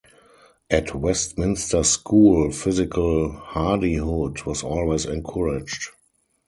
At Westminster School, physical hardihood was always encouraged.